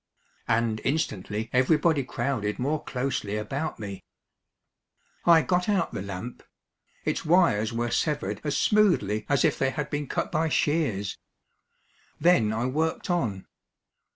And instantly everybody crowded more closely about me. I got out the lamp. Its wires were severed as smoothly as if they had been cut by shears. Then I worked on.